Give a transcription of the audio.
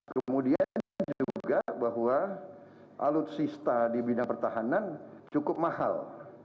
kemudian juga bahwa alutsista di bidang pertahanan cukup mahal